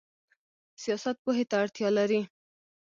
سیاست پوهې ته اړتیا لري